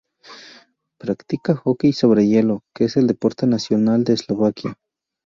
Practica hockey sobre hielo, que es el deporte nacional de Eslovaquia.